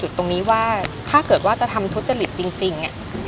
ตรงนี้ว่าถ้าเกิดว่าจะทำทุจริตจริง